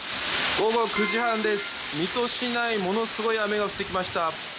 午後９時半です、水戸市内ものすごい雨が降ってきました。